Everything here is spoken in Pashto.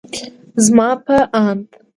زما په اند